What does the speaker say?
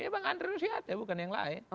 ebang andre nusyate bukan yang lain